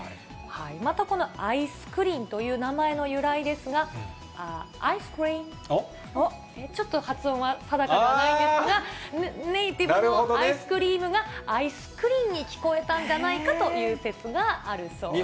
また、このあいすくりんという名前の由来ですが、アイスクリン、ちょっと発音は定かではないんですが、ネイティブのアイスクリームが、あいすくりんに聞こえたんじゃないかという説があるそうです。